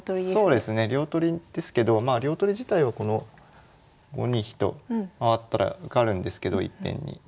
そうですね両取りですけど両取り自体はこの５二飛と回ったら受かるんですけどいっぺんに。